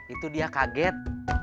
itu dia kaget